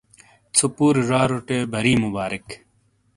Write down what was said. ژھو پُورے زاروٹے بری مبارک !